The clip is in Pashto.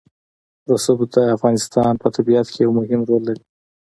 رسوب د افغانستان په طبیعت کې یو مهم رول لري.